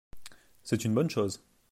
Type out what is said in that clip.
C’est une bonne chose.